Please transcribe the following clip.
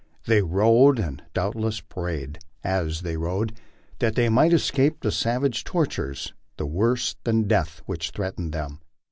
They rode, and doubt less prayed as they rode, that they might escape the savage tortures, the worse than death which threatened them.